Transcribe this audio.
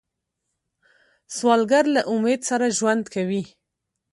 سوالګر له امید سره ژوند کوي